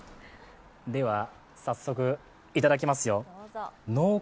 では、早速いただきますよ。